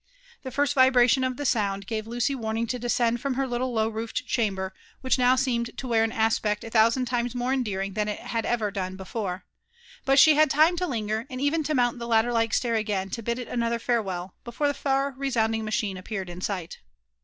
' The first vibration of this sound gave Lucy warning to descend from her little low roofed chamber, which now seemed to wear an aspect a thousand times more endearing than it had ever done before ; but she had time to linger, and even to mount the ladder like stair again, to bid it another farewell, before the far resoundiog machine appeared in sight.